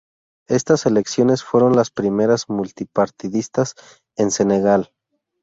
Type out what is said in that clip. Estas elecciones, fueron las primeras multipartidistas en Senegal.